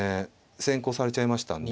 先行されちゃいましたんで。